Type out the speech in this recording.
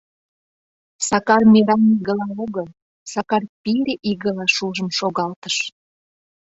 Сакар мераҥ игыла огыл, Сакар пире игыла шужым шогалтыш.